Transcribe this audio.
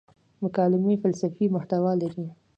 مکالمې فلسفي محتوا لري.